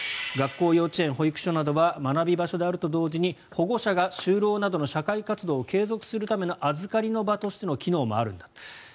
学校、幼稚園、保育所などは学び場所であると同時に保護者が就労などの社会活動を継続するための預かりの場としての機能もあるんだと。